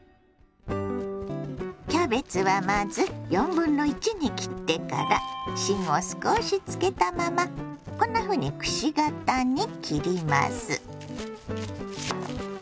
キャベツはまず1/4に切ってから芯を少しつけたままこんなふうにくし形に切ります。